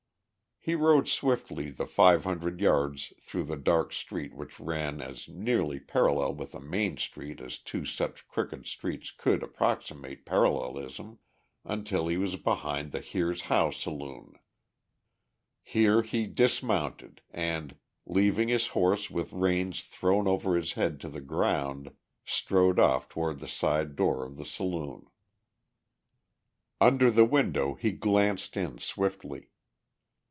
He rode swiftly the five hundred yards through the dark street which ran as nearly parallel with the main street as two such crooked streets could approximate parallelism, until he was behind the Here's How Saloon. Here he dismounted and, leaving his horse with reins thrown over his head to the ground, strode off toward the side door of the saloon. Under the window he glanced in swiftly.